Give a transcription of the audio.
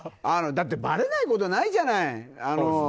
だってばれないことないじゃない。